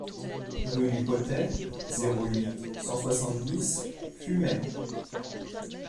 Rue du Potay, zéro huit, cent soixante-dix Fumay